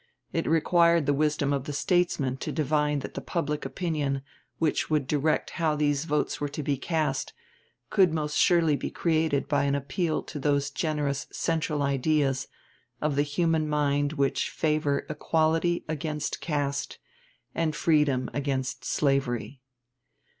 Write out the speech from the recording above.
It required the wisdom of the statesman to divine that the public opinion which would direct how these votes were to be cast, could most surely be created by an appeal to those generous "central ideas" of the human mind which favor equality against caste and freedom against slavery.